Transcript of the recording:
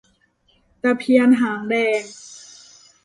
ตะเพียนหางแดง